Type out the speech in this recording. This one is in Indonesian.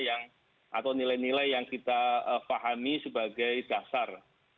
atau nilai nilai yang kita pahami sebagai dasar